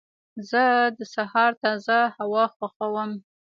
زه د سهار تازه هوا خوښوم.